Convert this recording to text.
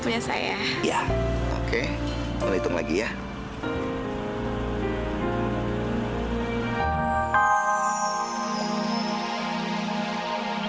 nah kamu yang sebelah sini ke situ